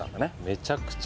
めちゃくちゃ。